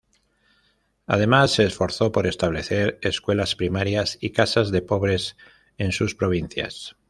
Además, se esforzó por establecer escuelas primarias y casas de pobres en sus provincias.